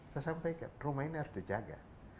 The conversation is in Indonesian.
saya sampaikan rumah ini harus dijaga